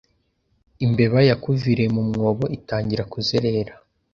Imbeba yakuviriye mu mwobo itangira kuzerera